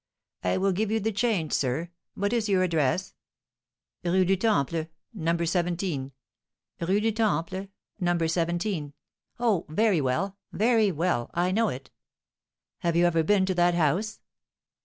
"I will give you the change, sir. What is your address?" "Rue du Temple, No. 17." "Rue du Temple, No. 17; oh, very well, very well, I know it." "Have you ever been to that house?"